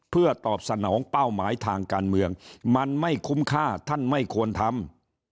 เพื่อตอบสนองเป้าหมายทางการเมืองมันไม่คุ้มค่าท่านไม่ควรทำ